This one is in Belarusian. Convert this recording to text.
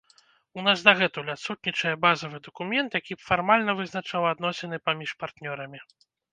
У нас дагэтуль адсутнічае базавы дакумент, які б фармальна вызначаў адносіны паміж партнёрамі.